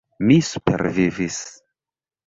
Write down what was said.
Mi supervivis.